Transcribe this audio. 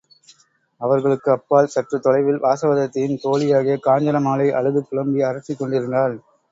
அவர்களுக்கு அப்பால் சற்றுத் தொலைவில் வாசவதத்தையின் தோழியாகிய காஞ்சன மாலை அழுது புலம்பி அரற்றிக் கொண்டிருந்தாள்.